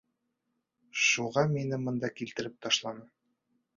Шуға мине бында килтереп ташланы.